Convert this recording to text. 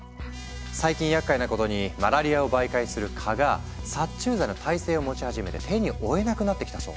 最近やっかいなことにマラリアを媒介する蚊が殺虫剤の耐性を持ち始めて手に負えなくなってきたそう。